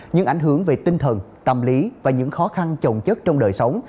những ảnh hưởng về tinh thần tâm lý và những khó khăn trồng chất trong đời sống